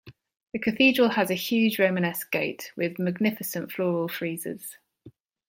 The Cathedral has a huge Romanesque gate, with magnificent floral friezes.